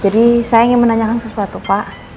jadi saya ingin menanyakan sesuatu pak